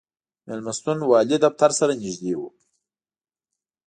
مېلمستون والي دفتر سره نږدې و.